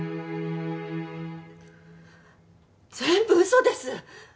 全部嘘です！